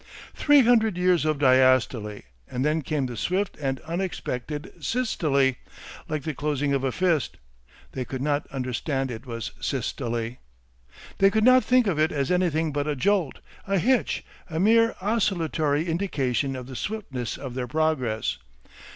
Three hundred years of diastole, and then came the swift and unexpected systole, like the closing of a fist. They could not understand it was systole. They could not think of it as anything but a jolt, a hitch, a mere oscillatory indication of the swiftness of their progress.